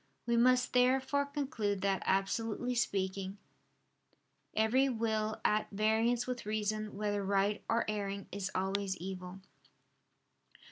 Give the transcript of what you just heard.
We must therefore conclude that, absolutely speaking, every will at variance with reason, whether right or erring, is always evil.